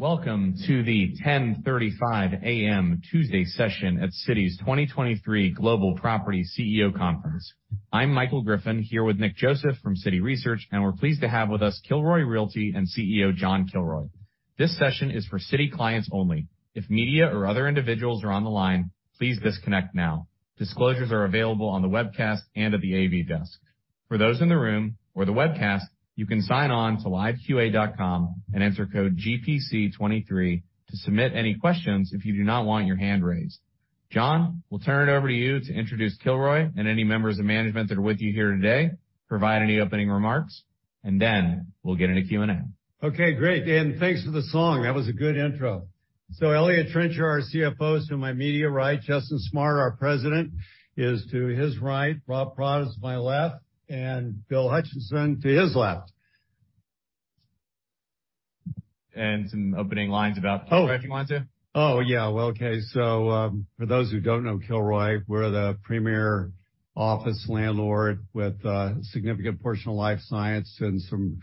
Welcome to the 10:35 A.M. Tuesday session at Citi's 2023 Global Property CEO Conference. I'm Michael Griffin, here with Nick Joseph from Citi Research, and we're pleased to have with us Kilroy Realty and CEO John Kilroy. This session is for Citi clients only. If media or other individuals are on the line, please disconnect now. Disclosures are available on the webcast and at the AV desk. For those in the room or the webcast, you can sign on to liveqa.com and enter code GPC 2023 to submit any questions if you do not want your hand raised. John, we'll turn it over to you to introduce Kilroy and any members of management that are with you here today, provide any opening remarks, and then we'll get into Q&A. Okay, great. Thanks for the song. That was a good intro. Eliott Trencher, our CFO, is to my immediate right. Justin Smart, our President, is to his right. Rob Paratte is to my left, Bill Hutchinson to his left. Some opening lines about Kilroy, if you want to. Yeah. Well, okay. For those who don't know Kilroy, we're the premier office landlord with a significant portion of life science and some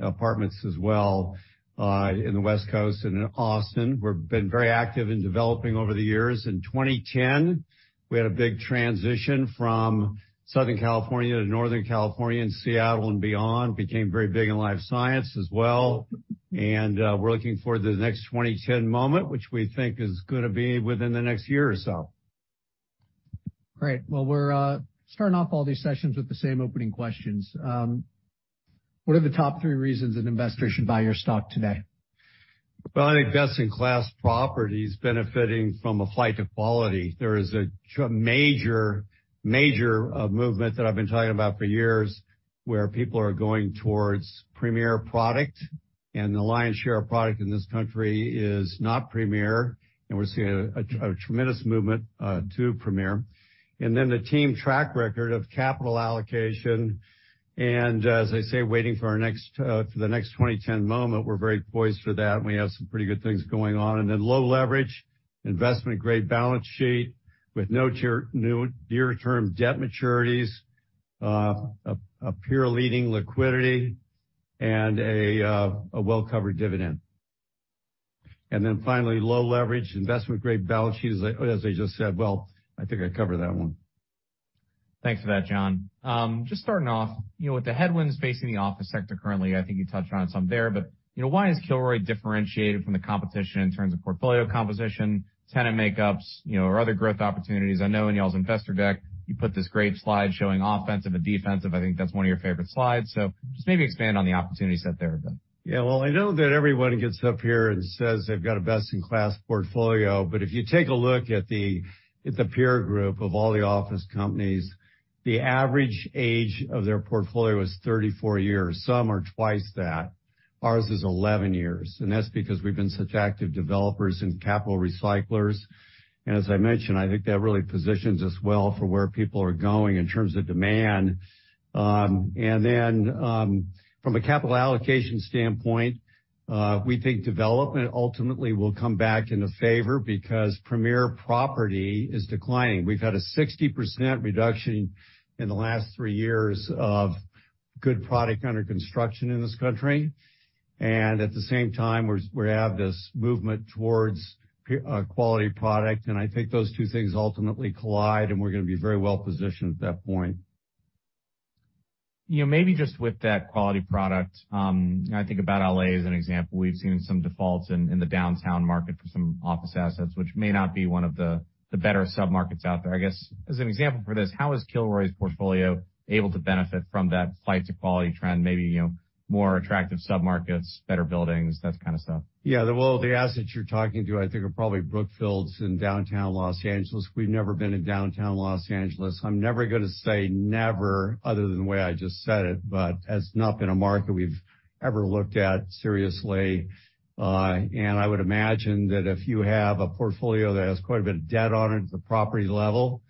apartments as well, in the West Coast and in Austin. We've been very active in developing over the years. In 2010, we had a big transition from Southern California to Northern California and Seattle and beyond, became very big in life science as well. We're looking for the next 2010 moment, which we think is gonna be within the next year or so. Great. We're starting off all these sessions with the same opening questions. What are the top 3 reasons an investor should buy your stock today? Well, I think best-in-class properties benefiting from a flight to quality. There is a major movement that I've been talking about for years, where people are going towards premier product, and the lion's share of product in this country is not premier, and we're seeing a tremendous movement to premier. The team track record of capital allocation, and as I say, waiting for our next for the next 2010 moment, we're very poised for that, and we have some pretty good things going on. Low leverage, investment-grade balance sheet with no new near-term debt maturities, a peer-leading liquidity and a well-covered dividend. Finally, low leverage, investment-grade balance sheet, as I just said. Well, I think I covered that one. Thanks for that, John. Just starting off, you know, with the headwinds facing the office sector currently, I think you touched on some there, you know, why is Kilroy differentiated from the competition in terms of portfolio composition, tenant makeups, you know, or other growth opportunities? I know in y'all's investor deck, you put this great slide showing offensive and defensive. I think that's one of your favorite slides. Just maybe expand on the opportunity set there a bit. Well, I know that everyone gets up here and says they've got a best-in-class portfolio, but if you take a look at the peer group of all the office companies, the average age of their portfolio is 34 years. Some are twice that. Ours is 11 years, and that's because we've been such active developers and capital recyclers. As I mentioned, I think that really positions us well for where people are going in terms of demand. Then, from a capital allocation standpoint, we think development ultimately will come back into favor because premier property is declining. We've had a 60% reduction in the last three years of good product under construction in this country. At the same time, we're, we have this movement towards quality product. I think those two things ultimately collide. We're gonna be very well positioned at that point. You know, maybe just with that quality product, I think about L.A. as an example. We've seen some defaults in the downtown market for some office assets, which may not be one of the better submarkets out there. I guess, as an example for this, how is Kilroy's portfolio able to benefit from that flight to quality trend, maybe, you know, more attractive submarkets, better buildings, that kind of stuff? Well, the assets you're talking to, I think, are probably Brookfield in downtown Los Angeles. We've never been in downtown Los Angeles. I'm never gonna say never other than the way I just said it, but it's not been a market we've ever looked at seriously. I would imagine that if you have a portfolio that has quite a bit of debt on it at the property level,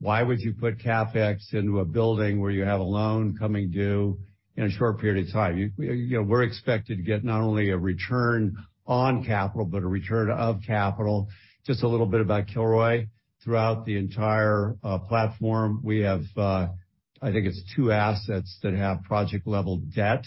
why would you put CapEx into a building where you have a loan coming due in a short period of time? You know, we're expected to get not only a return on capital, but a return of capital. Just a little bit about Kilroy. Throughout the entire platform, we have, I think it's two assets that have project-level debt,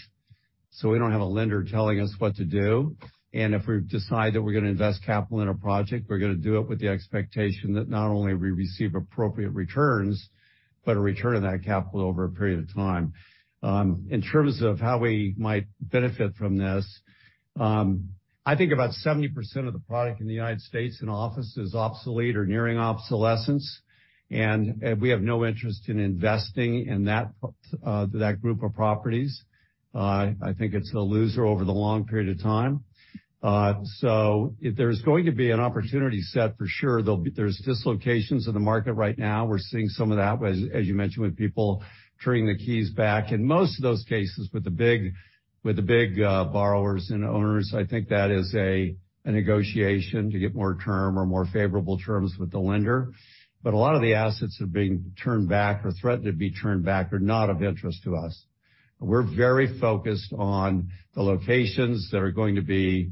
so we don't have a lender telling us what to do. If we decide that we're gonna invest capital in a project, we're gonna do it with the expectation that not only we receive appropriate returns, but a return of that capital over a period of time. In terms of how we might benefit from this, I think about 70% of the product in the United States in office is obsolete or nearing obsolescence, and we have no interest in investing in that group of properties. I think it's a loser over the long period of time. If there's going to be an opportunity set for sure, there's dislocations in the market right now. We're seeing some of that, as you mentioned, with people turning the keys back. In most of those cases, with the big borrowers and owners, I think that is a negotiation to get more term or more favorable terms with the lender. A lot of the assets that are being turned back or threatened to be turned back are not of interest to us. We're very focused on the locations that are going to be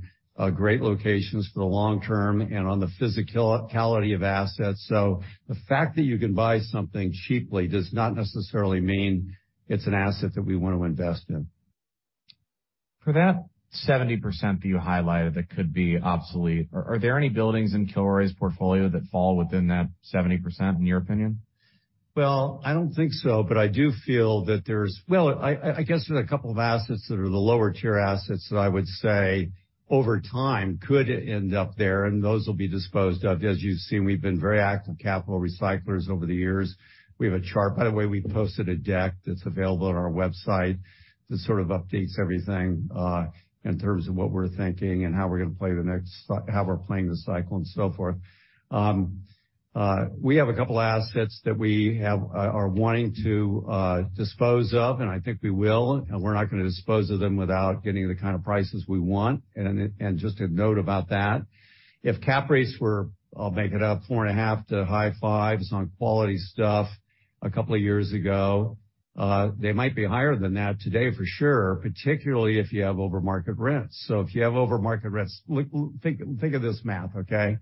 great locations for the long term and on the physicality of assets. The fact that you can buy something cheaply does not necessarily mean it's an asset that we want to invest in. For that 70% that you highlighted that could be obsolete, are there any buildings in Kilroy's portfolio that fall within that 70%, in your opinion? Well, I don't think so, but I do feel that there's Well, I guess there's a couple of assets that are the lower tier assets that I would say over time could end up there, and those will be disposed of. As you've seen, we've been very active capital recyclers over the years. We have a chart. By the way, we posted a deck that's available on our website that sort of updates everything in terms of what we're thinking and how we're playing the cycle and so forth. We have a couple assets that we are wanting to dispose of, and I think we will. We're not gonna dispose of them without getting the kind of prices we want. Just a note about that. If cap rates were, I'll make it up, 4.5 to high 5s on quality stuff a couple of years ago, they might be higher than that today, for sure, particularly if you have over market rents. If you have over market rents, look, think of this math, okay?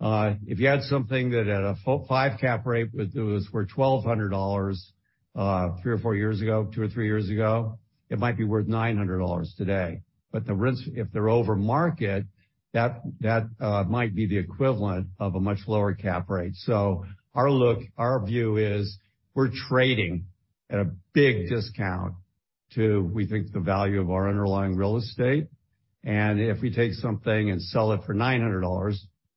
If you had something that at a five cap rate was worth $1,200, 3 or 4 years ago, 2 or 3 years ago, it might be worth $900 today. The rents, if they're over market, that might be the equivalent of a much lower cap rate. Our look, our view is we're trading at a big discount to, we think, the value of our underlying real estate. If we take something and sell it for $900,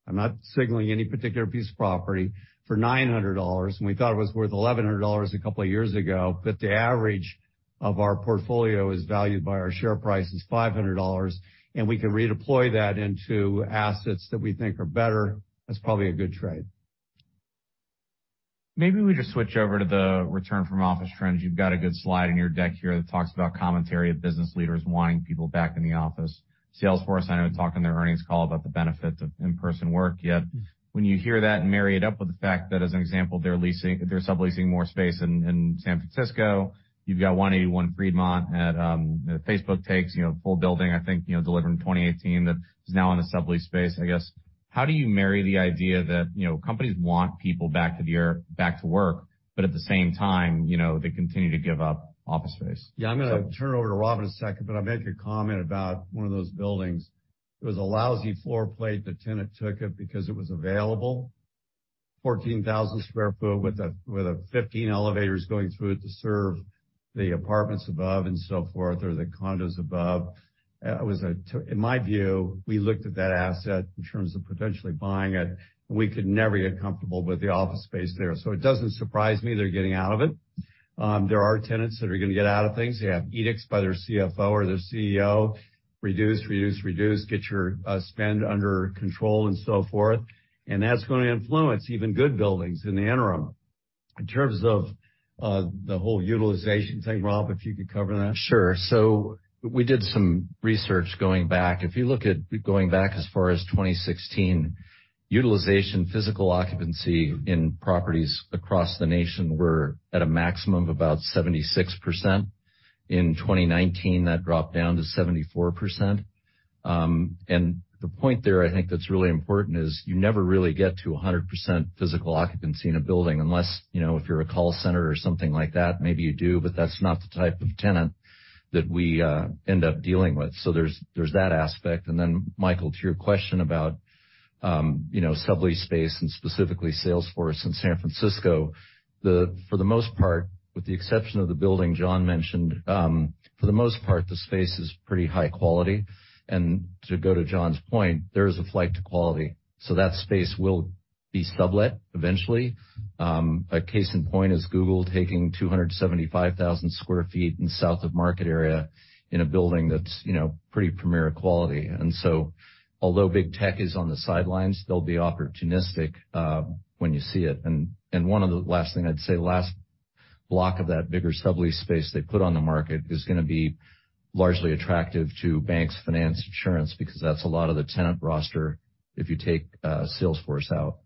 I'm not signaling any particular piece of property, for $900. We thought it was worth $1,100 a couple of years ago. The average of our portfolio is valued by our share price as $500. We can redeploy that into assets that we think are better, that's probably a good trade. Maybe we just switch over to the return from office trends. You've got a good slide in your deck here that talks about commentary of business leaders wanting people back in the office. Salesforce, I know, talked on their earnings call about the benefits of in-person work. When you hear that and marry it up with the fact that, as an example, they're subleasing more space in San Francisco, you've got 181 Fremont at, you know, Facebook Takes, you know, full building, I think, you know, delivered in 2018 that is now in a sublease space. I guess, how do you marry the idea that, you know, companies want people back to work, but at the same time, you know, they continue to give up office space? I'm gonna turn it over to Rob in a second, I'll make a comment about one of those buildings. It was a lousy floor plate. The tenant took it because it was available. 14,000 sq ft with a 15 elevators going through it to serve the apartments above and so forth, or the condos above. In my view, we looked at that asset in terms of potentially buying it. We could never get comfortable with the office space there. It doesn't surprise me they're getting out of it. There are tenants that are gonna get out of things. You have edicts by their CFO or their CEO, reduce, reduce, get your spend under control and so forth. That's gonna influence even good buildings in the interim. In terms of, the whole utilization thing, Rob, if you could cover that. Sure. We did some research going back. If you look at going back as far as 2016, utilization, physical occupancy in properties across the nation were at a maximum of about 76%. In 2019, that dropped down to 74%. The point there I think that's really important is you never really get to 100% physical occupancy in a building unless, you know, if you're a call center or something like that, maybe you do, but that's not the type of tenant that we end up dealing with. There's that aspect. Then Michael, to your question about, you know, sublease space and specifically Salesforce in San Francisco. For the most part, with the exception of the building John mentioned, for the most part, the space is pretty high quality. To go to John's point, there is a flight to quality. That space will be sublet eventually. A case in point is Google taking 275,000 sq ft in South of Market area in a building that's, you know, pretty premier quality. Although big tech is on the sidelines, they'll be opportunistic when you see it. One of the last thing I'd say, last block of that bigger sublease space they put on the market is gonna be largely attractive to banks, finance, insurance, because that's a lot of the tenant roster if you take Salesforce out.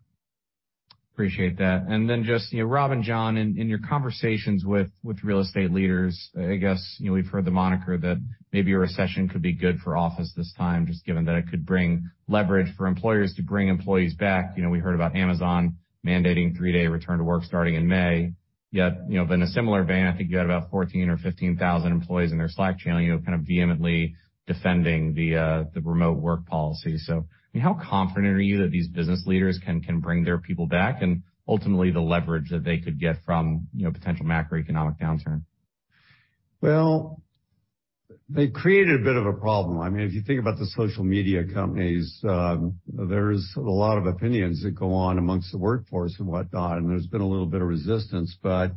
Appreciate that. Just, you know, Rob and John, in your conversations with real estate leaders, I guess, you know, we've heard the moniker that maybe a recession could be good for office this time, just given that it could bring leverage for employers to bring employees back. You know, we heard about Amazon mandating 3-day return to work starting in May. You know, in a similar vein, I think you had about 14 or 15 thousand employees in their Slack channel, you know, kind of vehemently defending the remote work policy. I mean, how confident are you that these business leaders can bring their people back, and ultimately the leverage that they could get from, you know, potential macroeconomic downturn? Well, they created a bit of a problem. I mean, if you think about the social media companies, there's a lot of opinions that go on amongst the workforce and whatnot, and there's been a little bit of resistance, but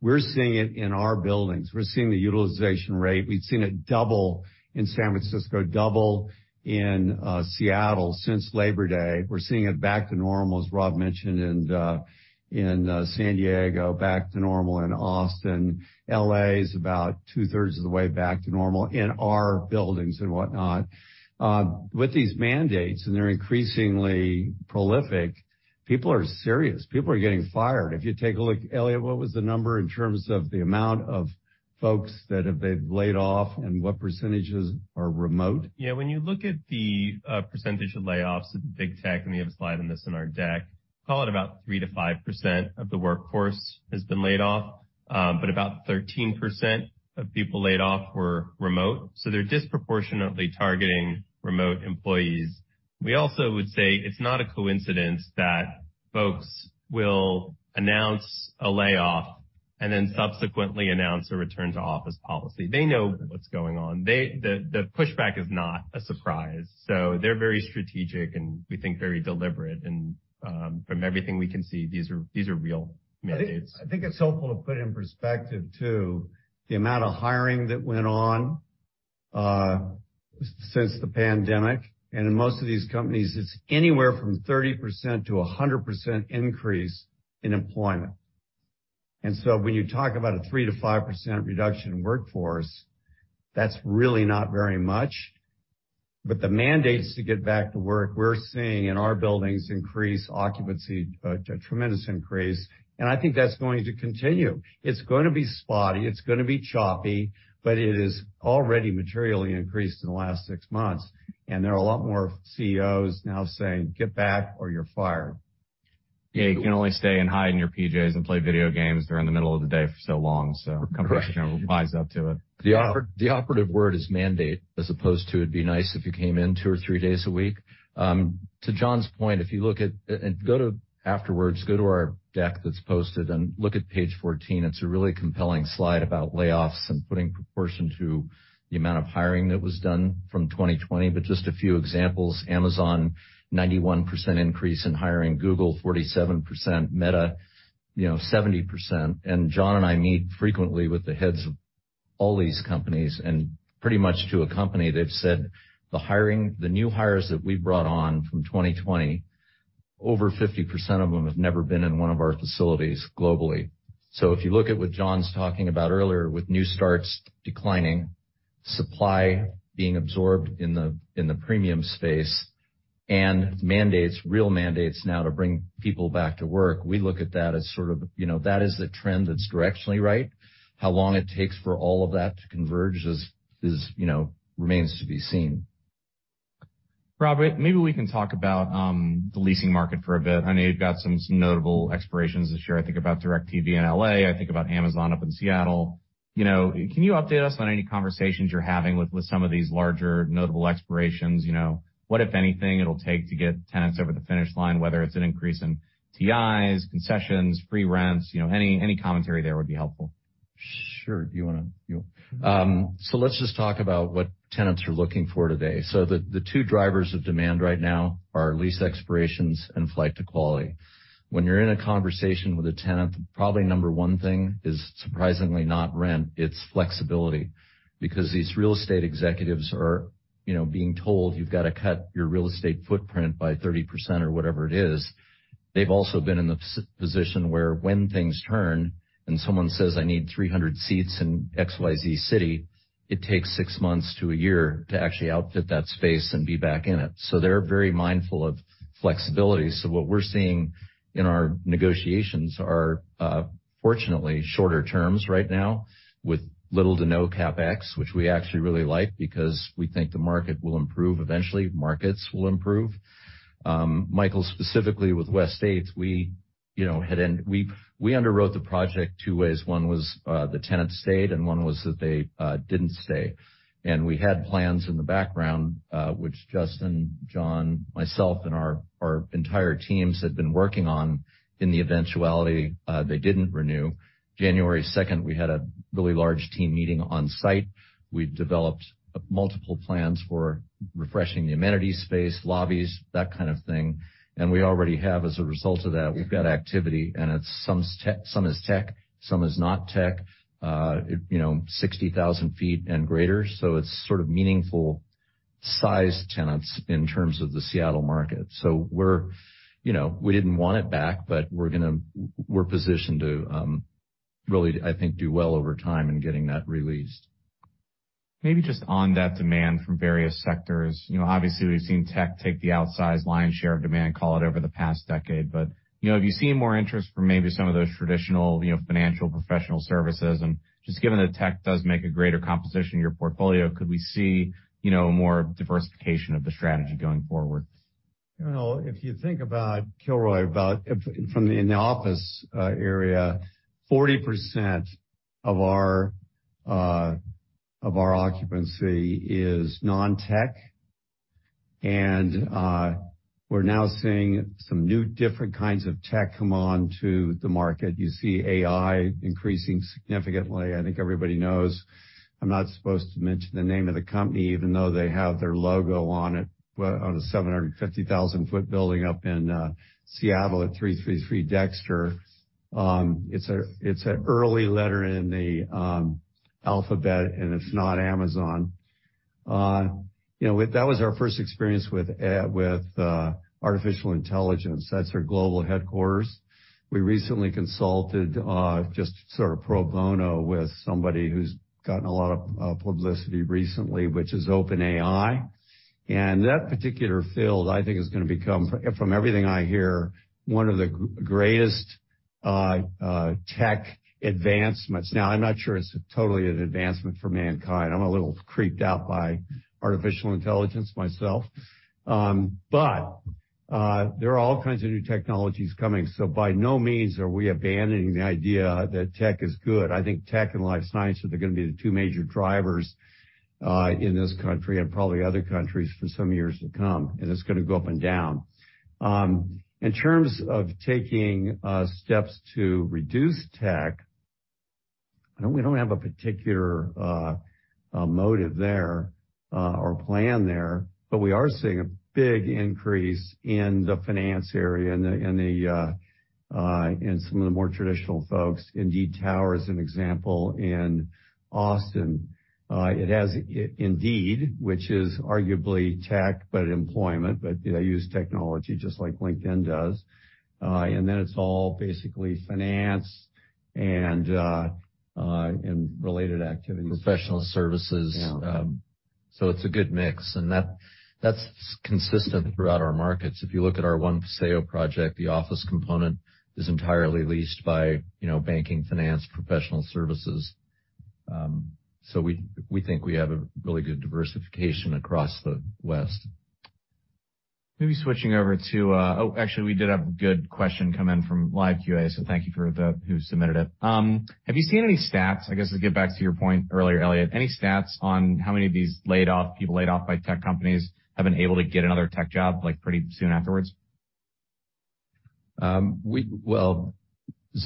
we're seeing it in our buildings. We're seeing the utilization rate. We've seen it double in San Francisco, double in Seattle since Labor Day. We're seeing it back to normal, as Rob mentioned, in San Diego, back to normal in Austin. L.A. is about 2/3 of the way back to normal in our buildings and whatnot. With these mandates, and they're increasingly prolific, people are serious. People are getting fired. If you take a look. Eliott, what was the number in terms of the amount of folks that have they've laid off and what % are remote? Yeah. When you look at the percentage of layoffs at Big Tech, we have a slide on this in our deck. Call it about 3%-5% of the workforce has been laid off, but about 13% of people laid off were remote. They're disproportionately targeting remote employees. We also would say it's not a coincidence that folks will announce a layoff and then subsequently announce a return to office policy. They know what's going on. The pushback is not a surprise. They're very strategic, and we think very deliberate. From everything we can see, these are real mandates. I think it's helpful to put in perspective, too, the amount of hiring that went on, since the pandemic. In most of these companies, it's anywhere from 30% to 100% increase in employment. So when you talk about a 3%-5% reduction in workforce, that's really not very much. The mandates to get back to work, we're seeing in our buildings increase occupancy, a tremendous increase. I think that's going to continue. It's gonna be spotty, it's gonna be choppy, but it is already materially increased in the last 6 months, and there are a lot more CEOs now saying, "Get back or you're fired. You can only stay and hide in your PJs and play video games during the middle of the day for so long. Correct. Companies are gonna rise up to it. The operative word is mandate, as opposed to it'd be nice if you came in two or three days a week. To John's point, if you look at and go to afterwards, go to our deck that's posted and look at page 14. It's a really compelling slide about layoffs and putting proportion to the amount of hiring that was done from 2020. Just a few examples, Amazon, 91% increase in hiring. Google, 47%. Meta, you know, 70%. John and I meet frequently with the heads of all these companies, and pretty much to a company, they've said, "The hiring, the new hires that we brought on from 2020, over 50% of them have never been in one of our facilities globally." If you look at what John's talking about earlier, with new starts declining, supply being absorbed in the premium space, and mandates, real mandates now to bring people back to work, we look at that as sort of, you know, that is the trend that's directionally right. How long it takes for all of that to converge is, you know, remains to be seen. Robert, maybe we can talk about the leasing market for a bit. I know you've got some notable expirations this year. I think about DIRECTV in L.A., I think about Amazon up in Seattle. You know, can you update us on any conversations you're having with some of these larger notable expirations? You know, what, if anything, it'll take to get tenants over the finish line, whether it's an increase in TIs, concessions, free rents, you know, any commentary there would be helpful. Sure. Let's just talk about what tenants are looking for today. The two drivers of demand right now are lease expirations and flight to quality. When you're in a conversation with a tenant, probably number one thing is surprisingly not rent, it's flexibility, because these real estate executives are, you know, being told, "You've gotta cut your real estate footprint by 30%," or whatever it is. They've also been in the position where when things turn and someone says, "I need 300 seats in XYZ city," it takes six months to a year to actually outfit that space and be back in it. They're very mindful of flexibility. What we're seeing in our negotiations are, fortunately shorter terms right now with little to no CapEx, which we actually really like because we think the market will improve, eventually markets will improve. Michael, specifically with West States, we, you know, underwrote the project two ways. One was, the tenant stayed, and one was that they didn't stay. We had plans in the background, which Justin, John, myself, and our entire teams had been working on in the eventuality, they didn't renew. January second, we had a really large team meeting on site. We've developed multiple plans for refreshing the amenities space, lobbies, that kind of thing. We already have as a result of that, we've got activity, and it's some is tech, some is not tech, you know, 60,000 feet and greater. It's sort of meaningful size tenants in terms of the Seattle market. We're, you know, we didn't want it back, but we're gonna we're positioned to really, I think, do well over time in getting that re-leased. Maybe just on that demand from various sectors. You know, obviously, we've seen tech take the outsized lion share of demand, call it, over the past decade. Have you seen more interest from maybe some of those traditional, you know, financial professional services? Just given that tech does make a greater composition in your portfolio, could we see, you know, more diversification of the strategy going forward? Well, if you think about Kilroy, in the office area, 40% of our occupancy is non-tech. We're now seeing some new different kinds of tech come on to the market. You see AI increasing significantly. I think everybody knows. I'm not supposed to mention the name of the company, even though they have their logo on it, on a 750,000 sq ft building up in Seattle at 333 Dexter. It's an early letter in the alphabet, and it's not Amazon. You know, that was our first experience with artificial intelligence. That's their global headquarters. We recently consulted, just sort of pro bono with somebody who's gotten a lot of publicity recently, which is OpenAI. That particular field, I think, is gonna become, from everything I hear, one of the greatest tech advancements. Now, I'm not sure it's totally an advancement for mankind. I'm a little creeped out by artificial intelligence myself. But there are all kinds of new technologies coming, so by no means are we abandoning the idea that tech is good. I think tech and life science are gonna be the two major drivers in this country and probably other countries for some years to come, and it's gonna go up and down. In terms of taking steps to reduce tech, we don't have a particular motive there or plan there, but we are seeing a big increase in the finance area, in the, in the, in some of the more traditional folks. Indeed Tower is an example in Austin. It has Indeed, which is arguably tech, but employment, but they use technology just like LinkedIn does. Then it's all basically finance and related activities. Professional services. Yeah. It's a good mix, and that's consistent throughout our markets. If you look at our One Paseo project, the office component is entirely leased by, you know, banking, finance, professional services. We think we have a really good diversification across the West. Maybe switching over to. Actually, we did have a good question come in from live QA. Thank you for the who submitted it. Have you seen any stats, I guess, to get back to your point earlier, Eliott, any stats on how many of these laid off people laid off by tech companies have been able to get another tech job, like, pretty soon afterwards? Well,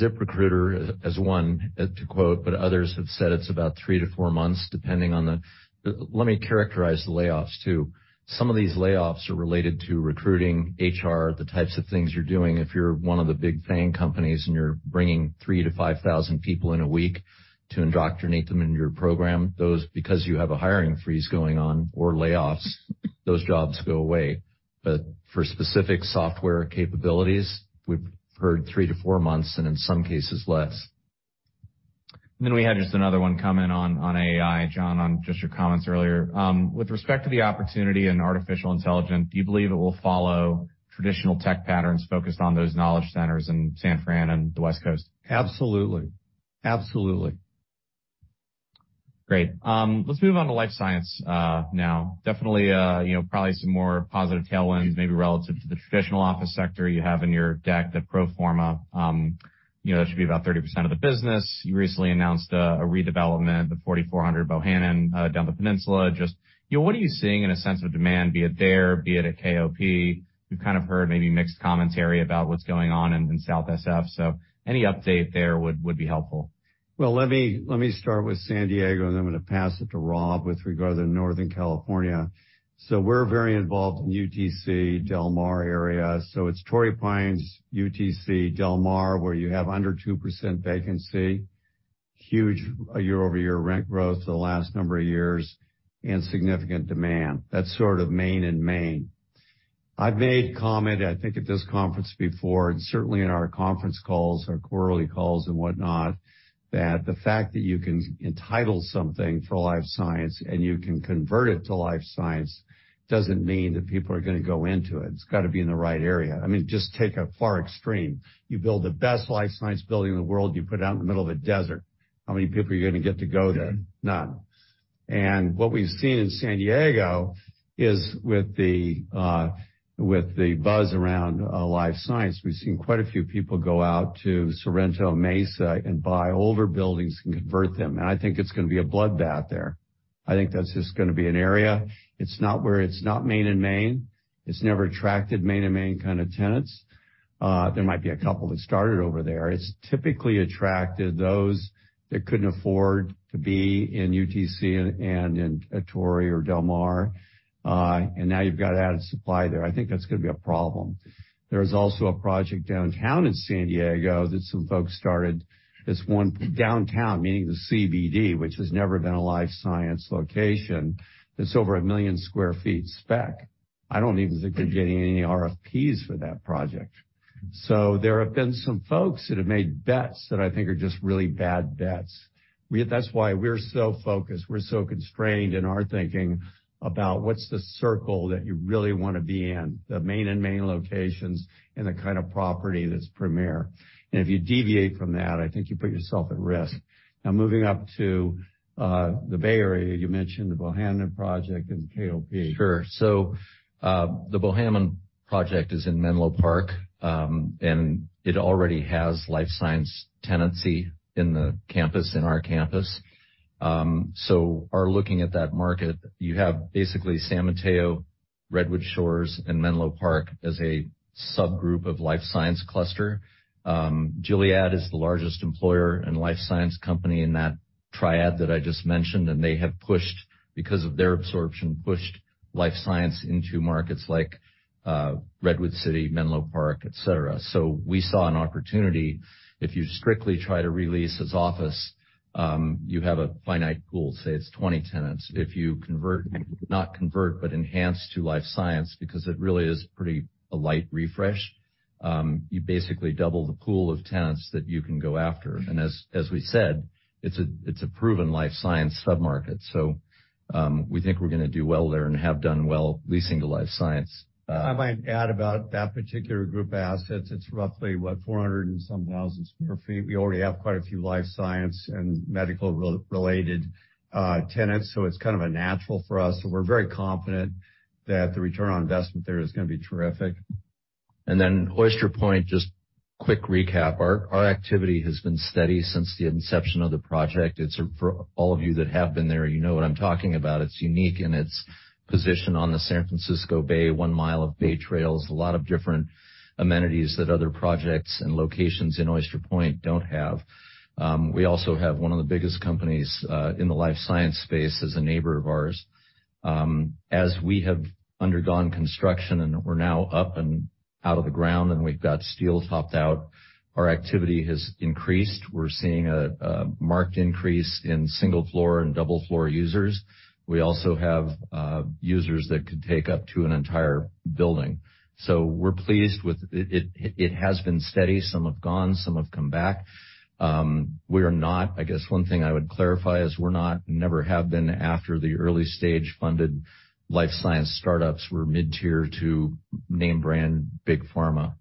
ZipRecruiter as one to quote, but others have said it's about 3-4 months, depending on the. Let me characterize the layoffs too. Some of these layoffs are related to recruiting, HR, the types of things you're doing. If you're one of the big FAANG companies and you're bringing 3,000-5,000 people in a week to indoctrinate them into your program, those because you have a hiring freeze going on or layoffs, those jobs go away. For specific software capabilities, we've heard 3-4 months, and in some cases less. We had just another one come in on AI, John, on just your comments earlier. With respect to the opportunity in artificial intelligence, do you believe it will follow traditional tech patterns focused on those knowledge centers in San Fran and the West Coast? Absolutely. Absolutely. Great. Let's move on to life science now. Definitely, you know, probably some more positive tailwinds, maybe relative to the traditional office sector you have in your deck, the pro forma, you know, that should be about 30% of the business. You recently announced a redevelopment of 4400 Bohannon down the peninsula. Just, you know, what are you seeing in a sense of demand, be it there, be it at KOP? We've kind of heard maybe mixed commentary about what's going on in South SF. Any update there would be helpful. Let me start with San Diego, and then I'm gonna pass it to Rob with regard to Northern California. We're very involved in UTC, Del Mar area, so it's Torrey Pines, UTC, Del Mar, where you have under 2% vacancy, huge year-over-year rent growth for the last number of years, and significant demand. That's sort of main and main. I've made comment, I think, at this conference before, and certainly in our conference calls, our quarterly calls and whatnot, that the fact that you can entitle something for life science and you can convert it to life science doesn't mean that people are gonna go into it. It's gotta be in the right area. I mean, just take a far extreme. You build the best life science building in the world, you put it out in the middle of a desert, how many people are you gonna get to go there? None. What we've seen in San Diego is, with the buzz around life science, we've seen quite a few people go out to Sorrento Mesa and buy older buildings and convert them, and I think it's gonna be a bloodbath there. I think that's just gonna be an area. It's not main and main. It's never attracted main and main kinda tenants. There might be a couple that started over there. It's typically attracted those that couldn't afford to be in UTC and in Torrey or Del Mar, and now you've got added supply there. I think that's gonna be a problem. There is also a project downtown in San Diego that some folks started. This one downtown, meaning the CBD, which has never been a life science location. It's over 1 million sq ft spec. I don't even think they're getting any RFPs for that project. There have been some folks that have made bets that I think are just really bad bets. That's why we're so focused, we're so constrained in our thinking about what's the circle that you really wanna be in, the main and main locations, and the kind of property that's premier. If you deviate from that, I think you put yourself at risk. Moving up to the Bay Area, you mentioned the Bohannon project and KOP. Sure. The Bohannon project is in Menlo Park, and it already has life science tenancy in the campus, in our campus. Are looking at that market. You have basically San Mateo, Redwood Shores, and Menlo Park as a subgroup of life science cluster. Gilead is the largest employer and life science company in that triad that I just mentioned, and they have pushed, because of their absorption, pushed life science into markets like Redwood City, Menlo Park, et cetera. We saw an opportunity. If you strictly try to re-lease as office, you have a finite pool, say it's 20 tenants. If you convert, not convert, but enhance to life science because it really is pretty a light refresh. You basically double the pool of tenants that you can go after. As, as we said, it's a, it's a proven life science submarket. We think we're gonna do well there and have done well leasing to life science. I might add about that particular group of assets. It's roughly, what, 400 and some thousand sq ft. We already have quite a few life science and medical related tenants, so it's kind of a natural for us. We're very confident that the return on investment there is gonna be terrific. Oyster Point, just quick recap. Our activity has been steady since the inception of the project. For all of you that have been there, you know what I'm talking about. It's unique in its position on the San Francisco Bay, 1 mile of bay trails, a lot of different amenities that other projects and locations in Oyster Point don't have. We also have one of the biggest companies in the life science space as a neighbor of ours. As we have undergone construction, and we're now up and out of the ground, and we've got steel topped out, our activity has increased. We're seeing a marked increase in single floor and double floor users. We also have users that could take up to an entire building. We're pleased with. It has been steady. Some have gone, some have come back. I guess one thing I would clarify is we're not, never have been after the early stage funded life science startups. We're mid-tier to name brand Big Pharma.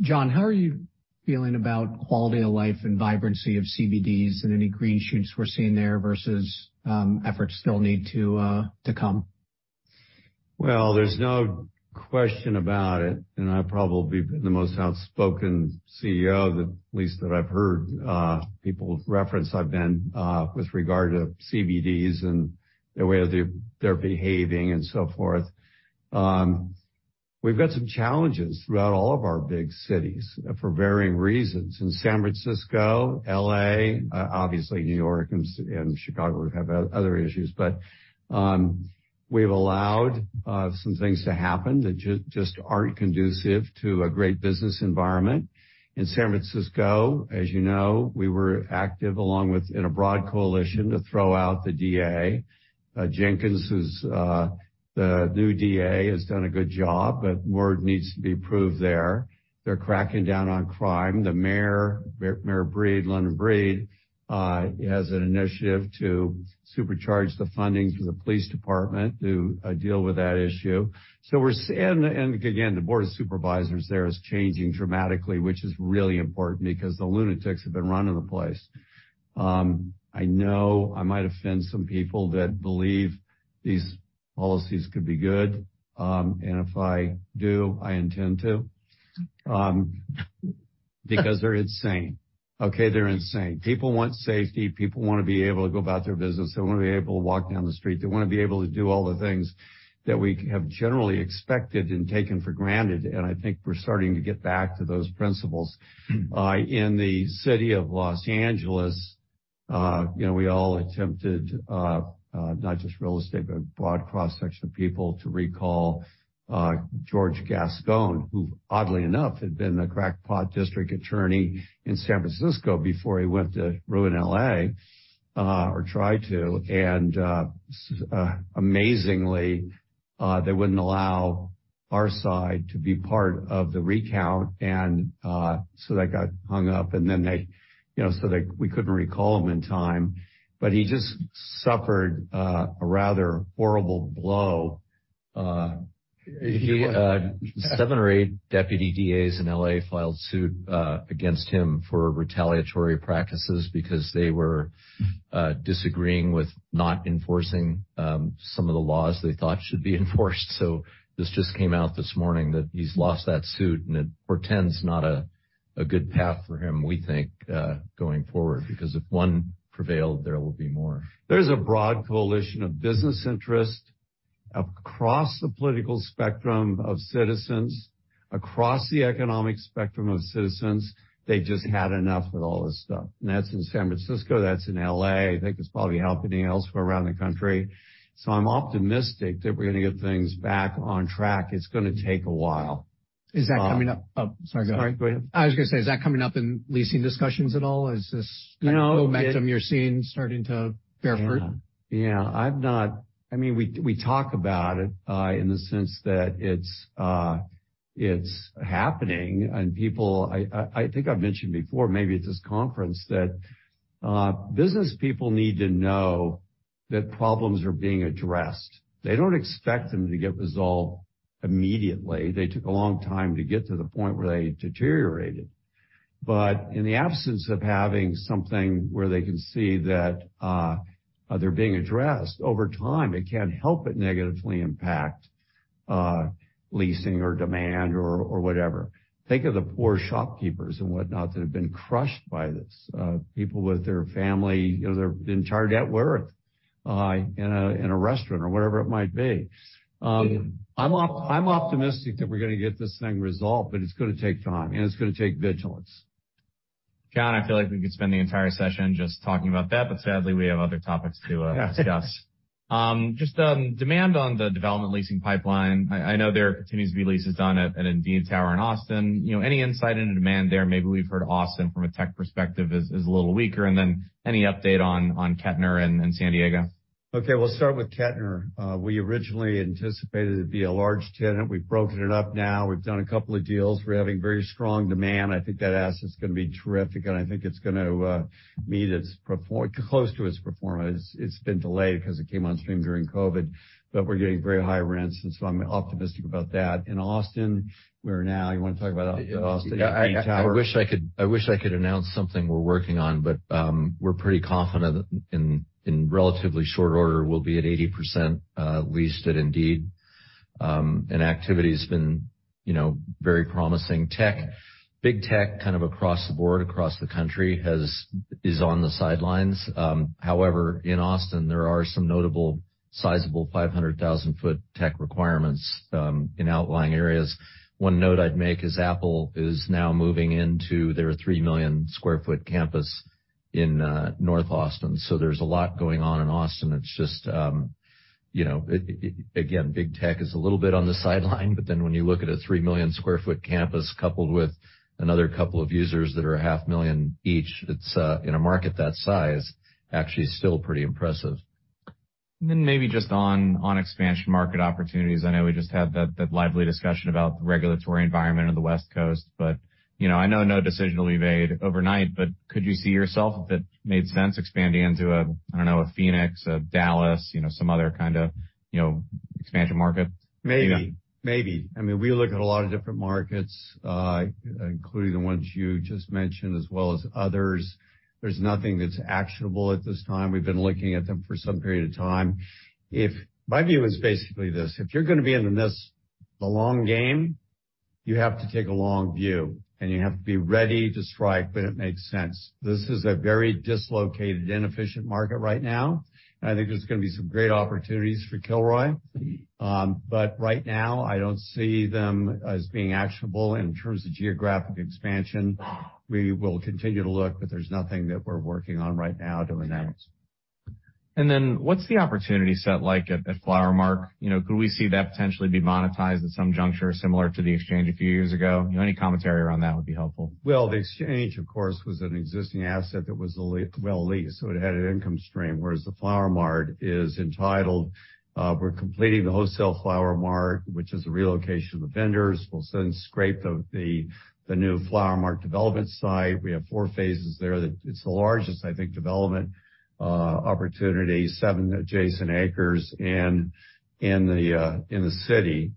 John, how are you feeling about quality of life and vibrancy of CBDs and any green shoots we're seeing there versus, efforts still need to come? There's no question about it, I probably have been the most outspoken CEO, at least that I've heard, people reference I've been, with regard to CBDs and the way they're behaving and so forth. We've got some challenges throughout all of our big cities for varying reasons. In San Francisco, L.A., obviously New York and Chicago have other issues. We've allowed some things to happen that just aren't conducive to a great business environment. In San Francisco, as you know, we were active along with in a broad coalition to throw out the DA. Jenkins, who's the new DA, has done a good job, word needs to be proved there. They're cracking down on crime. The mayor, Mayor Breed, London Breed, has an initiative to supercharge the funding for the police department to deal with that issue. Again, the board of supervisors there is changing dramatically, which is really important because the lunatics have been running the place. I know I might offend some people that believe these policies could be good. If I do, I intend to. Because they're insane, okay? They're insane. People want safety. People wanna be able to go about their business. They wanna be able to walk down the street. They wanna be able to do all the things that we have generally expected and taken for granted, and I think we're starting to get back to those principles. In the city of Los Angeles, you know, we all attempted, not just real estate, but a broad cross-section of people to recall George Gascón, who oddly enough, had been the crackpot district attorney in San Francisco before he went to ruin L.A., or tried to. Amazingly, they wouldn't allow our side to be part of the recount. So that got hung up, and then they, you know, we couldn't recall him in time. He just suffered a rather horrible blow. Seven or eight deputy DAs in L.A. filed suit against him for retaliatory practices because they were disagreeing with not enforcing some of the laws they thought should be enforced. This just came out this morning that he's lost that suit, and it portends not a good path for him, we think, going forward, because if one prevailed, there will be more. There's a broad coalition of business interests across the political spectrum of citizens, across the economic spectrum of citizens. They just had enough with all this stuff. That's in San Francisco. That's in L.A. I think it's probably happening elsewhere around the country. I'm optimistic that we're gonna get things back on track. It's gonna take a while. Is that coming up? Oh, sorry, go ahead. Sorry. Go ahead. I was gonna say, is that coming up in leasing discussions at all? Is this, you know, momentum you're seeing starting to bear fruit? Yeah. I mean, we talk about it in the sense that it's happening and people I think I've mentioned before, maybe at this conference, that business people need to know that problems are being addressed. They don't expect them to get resolved immediately. They took a long time to get to the point where they deteriorated. In the absence of having something where they can see that they're being addressed, over time, it can't help but negatively impact leasing or demand or whatever. Think of the poor shopkeepers and whatnot that have been crushed by this. People with their family, you know, their entire net worth in a restaurant or whatever it might be. I'm optimistic that we're gonna get this thing resolved, but it's gonna take time, and it's gonna take vigilance. John, I feel like we could spend the entire session just talking about that, but sadly, we have other topics to discuss. Just on demand on the development leasing pipeline, I know there continues to be leases done at Indeed Tower in Austin. You know, any insight into demand there? Maybe we've heard Austin from a tech perspective is a little weaker. Any update on Kettner in San Diego? Okay. We'll start with Kettner. We originally anticipated it'd be a large tenant. We've broken it up now. We've done a couple of deals. We're having very strong demand. I think that asset's gonna be terrific, and I think it's gonna meet its close to its performance. It's been delayed 'cause it came on stream during COVID, but we're getting very high rents, and so I'm optimistic about that. In Austin, we're now... You wanna talk about Austin? I wish I could, I wish I could announce something we're working on, but we're pretty confident in relatively short order, we'll be at 80% leased at Indeed. Activity's been, you know, very promising. Tech, big tech, kind of across the board, across the country is on the sidelines. In Austin, there are some notable sizable 500,000 sq ft tech requirements in outlying areas. One note I'd make is Apple is now moving into their 3 million sq ft campus in North Austin. There's a lot going on in Austin. It's just, you know, again, big tech is a little bit on the sideline, but then when you look at a 3 million sq ft campus coupled with another couple of users that are half million each, it's, in a market that size, actually still pretty impressive. Maybe just on expansion market opportunities. I know we just had that lively discussion about the regulatory environment on the West Coast, but, you know, I know no decision will be made overnight, but could you see yourself, if it made sense expanding into a, I don't know, a Phoenix, a Dallas, you know, some other kind of, you know, expansion market? Maybe. Maybe. I mean, we look at a lot of different markets, including the ones you just mentioned, as well as others. There's nothing that's actionable at this time. We've been looking at them for some period of time. My view is basically this: If you're gonna be in this, the long game, you have to take a long view, and you have to be ready to strike when it makes sense. This is a very dislocated, inefficient market right now. I think there's gonna be some great opportunities for Kilroy. Right now, I don't see them as being actionable in terms of geographic expansion. We will continue to look, but there's nothing that we're working on right now to announce. What's the opportunity set like at Flower Mart? You know, could we see that potentially be monetized at some juncture similar to The Exchange a few years ago? You know, any commentary around that would be helpful. The Exchange, of course, was an existing asset that was well-leased, so it had an income stream, whereas the Flower Mart is entitled. We're completing the wholesale Flower Mart, which is the relocation of the vendors. We'll soon scrape the new Flower Mart development site. We have 4 phases there that it's the largest, I think, development opportunity, 7 adjacent acres in the city.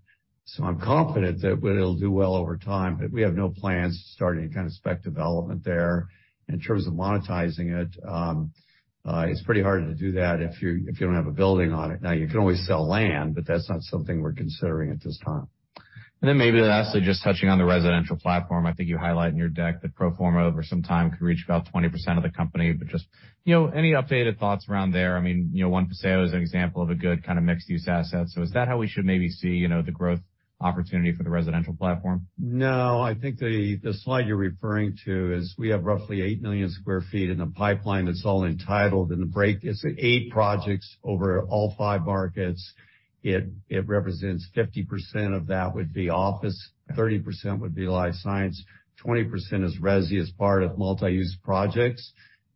I'm confident that it'll do well over time, but we have no plans to start any kind of spec development there. In terms of monetizing it's pretty hard to do that if you don't have a building on it. You can always sell land, but that's not something we're considering at this time. Maybe lastly, just touching on the residential platform. I think you highlight in your deck that proforma over some time could reach about 20% of the company, but just, you know, any updated thoughts around there? I mean, you know, One Paseo is an example of a good kind of mixed use asset. Is that how we should maybe see, you know, the growth opportunity for the residential platform? I think the slide you're referring to is we have roughly 8 million sq ft in the pipeline that's all entitled, and the break is 8 projects over all 5 markets. It represents 50% of that would be office, 30% would be life science, 20% is resi as part of multi-use projects.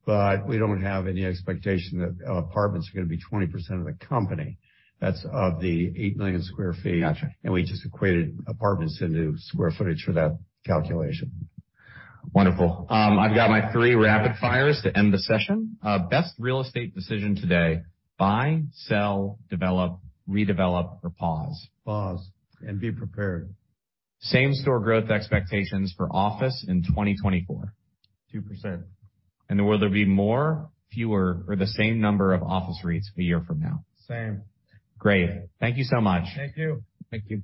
We don't have any expectation that apartments are gonna be 20% of the company. That's of the 8 million sq ft. Gotcha. We just equated apartments into square footage for that calculation. Wonderful. I've got my 3 rapid fires to end the session. Best real estate decision today: buy, sell, develop, redevelop, or pause? Pause, and be prepared. Same-store growth expectations for office in 2024. 2%. Will there be more, fewer, or the same number of office REITs a year from now? Same. Great. Thank you so much. Thank you. Thank you.